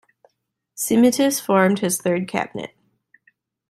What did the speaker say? Simitis formed his third cabinet.